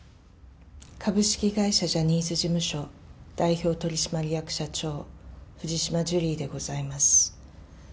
株式会社ジャニーズ事務所、代表取締役社長、藤島ジュリーでございます。